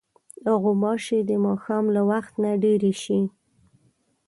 غوماشې د ماښام له وخت نه ډېرې شي.